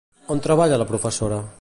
On treballa de professora?